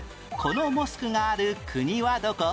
このモスクがある国はどこ？